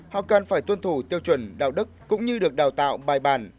họ cần phải tuân thủ tiêu chuẩn đạo đức cũng như được đào tạo bài bản